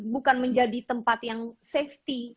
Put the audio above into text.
bukan menjadi tempat yang safety